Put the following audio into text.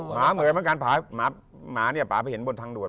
หมาเหมือนเหมือนกันหมาเนี่ยป่าไปเห็นบนทางด่วน